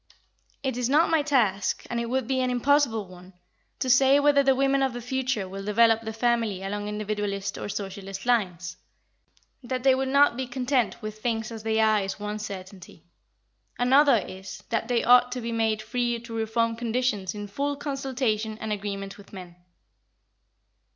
It is not my task, and it would be an impossible one, to say whether the women of the future will develop the family along individualist or socialist lines. That they will not be content with things as they are is one certainty. Another is that they ought to be made free to reform conditions in full consultation and agreement with men.